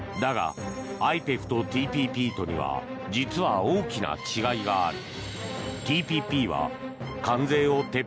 だが、ＩＰＥＦとＴＰＰとでは実は大きな違いがある。